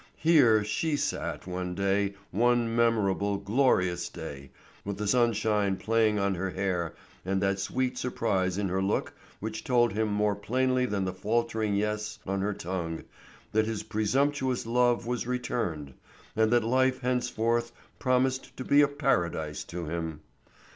Here she sat one day, one memorable, glorious day, with the sunshine playing on her hair and that sweet surprise in her look which told him more plainly than the faltering yes on her tongue that his presumptuous love was returned, and that life henceforth promised to be a paradise to him.